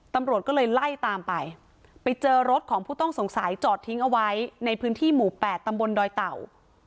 ตำรวจก็เลยไล่ตามไปไปเจอรถของผู้ต้องสงสัยจอดทิ้งเอาไว้ในพื้นที่หมู่แปดตำบลดอยเต่า